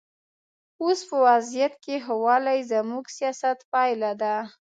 اوس په وضعیت کې ښه والی زموږ سیاست پایله ده.